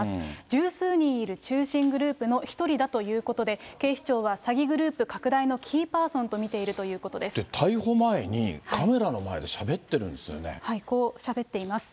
十数人いる中心グループの一人だということで、警視庁は詐欺グループ拡大のキーパーソンと見ているということで逮捕前に、カメラの前でしゃこうしゃべっています。